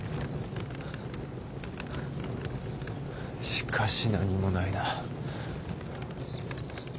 しかし何もないな。